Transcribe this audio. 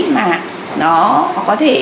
mà nó có thể